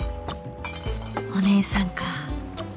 お姉さんか